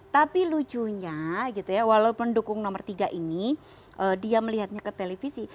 tapi lucunya gitu ya walaupun dukung nomor tiga ini dia melihatnya ke televisi